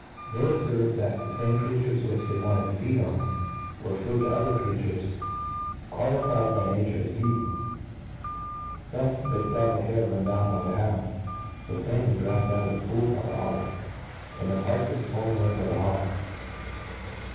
They obfervcd, that the fame creatures which ^cy wanted to feed on, wcrciwd to other crea tures i^ INTRODUCTION. turcs qualified by nature to feizethem. Thu«, they idw the hare run down by the hound ;— ^thc falmon dragged out' of the pool by the otter ;— and the partridge born away by the hawk.